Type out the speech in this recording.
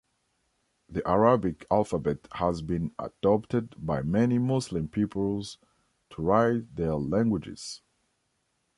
The Arabic alphabet has been adopted by many Muslim peoples to write their languages.